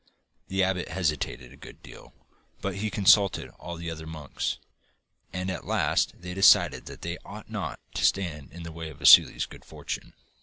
The abbot hesitated a good deal, but he consulted all the other monks, and at last they decided that they ought not to stand in the way of Vassili's good fortune.